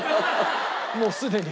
もうすでに。